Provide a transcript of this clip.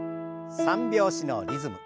３拍子のリズム。